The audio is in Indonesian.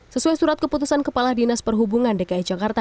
sesuai surat keputusan kepala dinas perhubungan dki jakarta